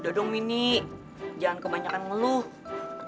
udah dong mindi jangan kebanyakan ngelakuin